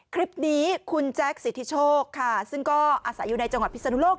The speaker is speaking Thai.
คลิปนี้คุณแจ๊คสิทธิโชคค่ะซึ่งก็อาศัยอยู่ในจังหวัดพิศนุโลก